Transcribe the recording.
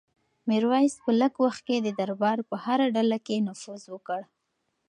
میرویس په لږ وخت کې د دربار په هره ډله کې نفوذ وکړ.